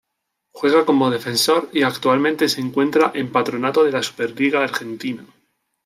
Juega como defensor y actualmente se encuentra en Patronato de la Superliga Argentina.